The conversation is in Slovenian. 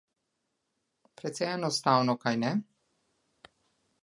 Precej enostavno, kajne?